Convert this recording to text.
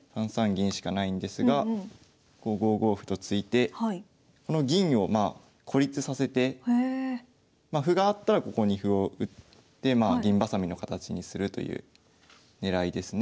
銀しかないんですが５五歩と突いてこの銀を孤立させて歩があったらここに歩を打ってという狙いですね。